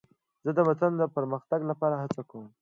زه د وطن د پرمختګ لپاره هڅه کوم.